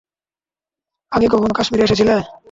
আগে কখনো কাশ্মিরে এসেছিলে?